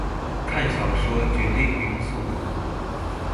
看小說絕對不用速讀